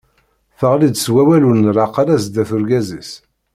Teɣli-d s wawal ur nlaq ara sdat urgaz-is.